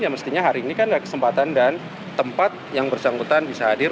ya mestinya hari ini kan ada kesempatan dan tempat yang bersangkutan bisa hadir